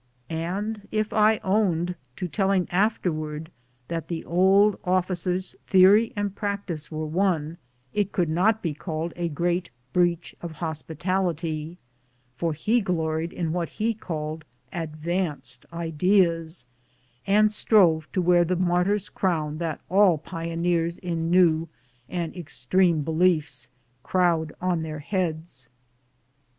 And if I owned to telling afterwards that the old oflicer's theory and practice were one, it could not be called a great breach of hospitality, for he gloried in what he called advanced ideas, and strove to wear the martyr's crown that all pioneers in new and extreme beliefs crowd on their heads.